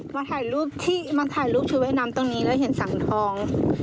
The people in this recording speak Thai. มาถ่ายรูปชูไว้น้ำตรงนี้แล้วเห็นสังทอง